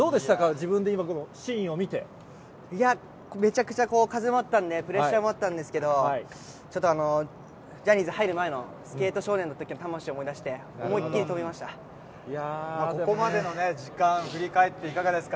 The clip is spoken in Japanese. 自分で今、このシいや、めちゃくちゃ風もあったんで、プレッシャーもあったんですけど、ちょっとジャニーズ入る前のスケート少年のときの魂を思い出して、ここまでのね、時間振り返っていかがですか？